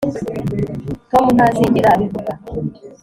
tom ntazigera abivuga